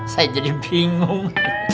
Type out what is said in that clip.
saya jadi bingung